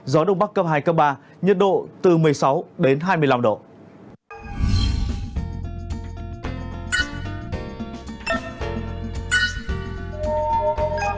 gió đông bắc cấp hai cấp ba nhiệt độ từ một mươi sáu đến hai mươi năm độ